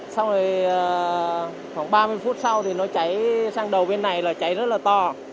xong rồi khoảng ba mươi phút sau thì nó cháy sang đầu bên này là cháy rất là to